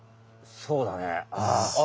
そうだねあ。